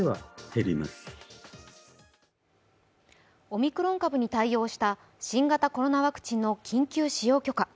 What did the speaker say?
オミクロン株に対応した新型コロナワクチンの緊急使用許可。